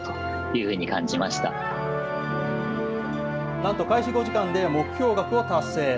なんと、開始５時間で目標額を達成。